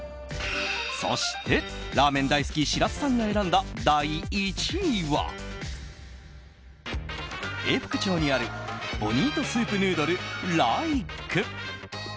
そしてラーメン大好き白洲さんが選んだ第１位は、永福町にあるポニートスープヌードルライク。